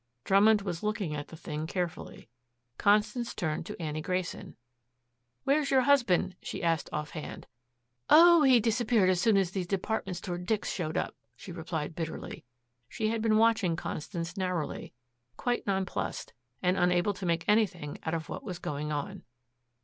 Drummond was looking at the thing carefully. Constance turned to Annie Grayson. "Where's your husband?" she asked offhand. "Oh, he disappeared as soon as these department store dicks showed up," she replied bitterly. She had been watching Constance narrowly, quite nonplussed, and unable to make anything out of what was going on.